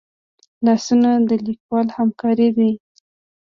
لاسونه د لیکوال همکار دي